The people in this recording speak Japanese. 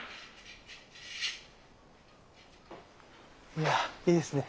いやいいですね